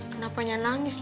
kenapa nyat langis nyak